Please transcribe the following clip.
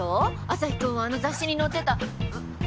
アサヒくんはあの雑誌に載ってたうる。